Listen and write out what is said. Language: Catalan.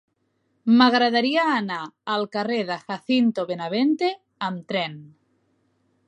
M'agradaria anar al carrer de Jacinto Benavente amb tren.